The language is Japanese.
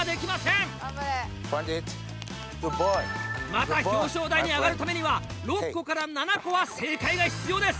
また表彰台に上がるためには６個から７個は正解が必要です。